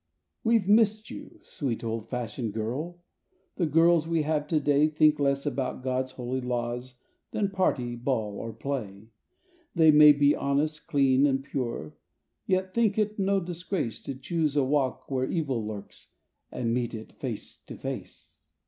We' ve missed you, sweet old fashioned girl; the girls we have today Think less about God's holy laws than party, ball or play; They may be honest, clean and pure, yet think it no disgrace To choose a walk where evil lurks, and meet it face to face.